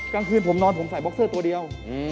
กลางคืนผมนอนผมใส่บ็อกเซอร์ตัวเดียว